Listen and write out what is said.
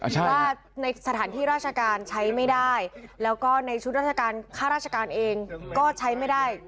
ว่าในสถานที่ราชการใช้ไม่ได้แล้วก็ในชุดราชการค่าราชการเองก็ใช้ไม่ได้